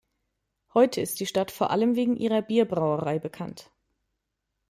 Heute ist die Stadt vor allem wegen ihrer Bierbrauerei bekannt.